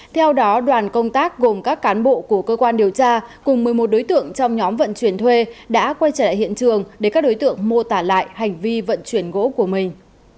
theo đó đoàn công tác gồm các cán bộ của cơ quan điều tra cùng một mươi một đối tượng trong nhóm vận chuyển thuê đã quay trở lại hiện trường để các đối tượng mô tả lại hành vi vận chuyển gỗ của mình